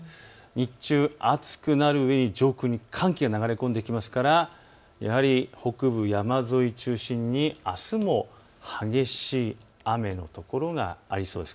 日中、暑くなるうえに上空には寒気が流れ込んできますから北部山沿い中心にあすも激しい雨の所がありそうです。